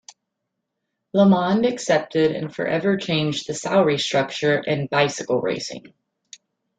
LeMond accepted, and forever changed the salary structure in bicycle racing.